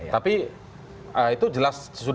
tapi itu jelas sudah tidak terganggu